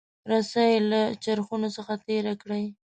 رسۍ له چرخونو څخه تیره کړئ.